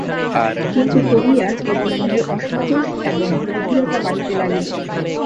কিন্তু পড়িয়া কেবল মনের অসন্তোষ এবং অধীরতা বাড়িতে লাগিল।